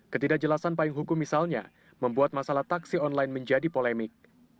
ketidakjelasan payung hukum misalnya membuat masalah taksi online menjadi polemik